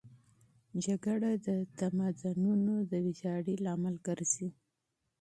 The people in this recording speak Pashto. جګړه د تمدنونو د ویجاړۍ سبب ګرځي.